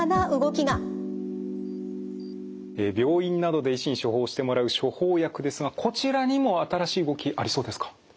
病院などで医師に処方してもらう処方薬ですがこちらにも新しい動きありそうですか？